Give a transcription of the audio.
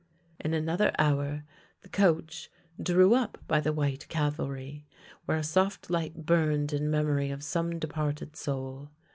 In another hour the coach drew up by the White Calvary, where a soft light burned in memory of some departed soul.